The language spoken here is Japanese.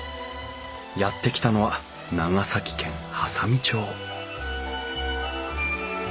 やって来たのは長崎県波佐見町